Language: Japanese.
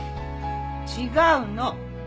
違うの。